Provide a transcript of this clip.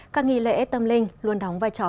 các nghi lễ tâm linh luôn đóng vai trò